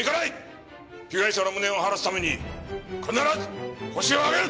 被害者の無念を晴らすために必ずホシを挙げる！